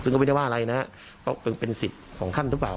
ซึ่งก็ไม่ได้ว่าอะไรนะครับเพราะเป็นสิทธิ์ของท่านหรือเปล่า